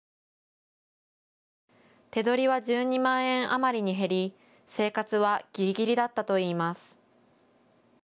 手取りは１２万円余りに減り生活はぎりぎりだったといいます。